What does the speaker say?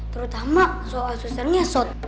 terutama soal susernya sot